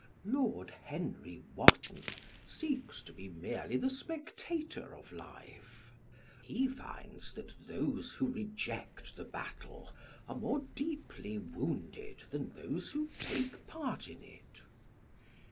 Lord Henry Wotton seeks to be merely the spectator of life. He finds that those who reject the battle are more deeply wounded than those who take part in it.